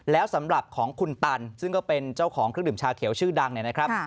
แล้วสำหรับของคุณตันซึ่งก็เป็นเจ้าของเครื่องดื่มชาเขียวชื่อดังเนี่ยนะครับ